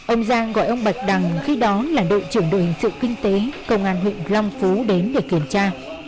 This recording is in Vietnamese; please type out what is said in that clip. ông giang gọi ông bạch đằng khi đó là đội trưởng đội hình sự kinh tế công an huyện long phú đến để kiểm tra